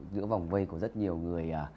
giữa vòng vây của rất nhiều người